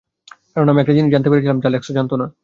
কারণ আমি এমন একটা জিনিস জানতে পেরেছিলাম যা লেক্সও জানত না।